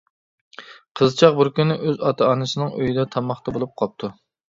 قىزچاق بىر كۈنى ئۆز ئاتا-ئانىسىنىڭ ئۆيىدە تاماقتا بولۇپ قاپتۇ.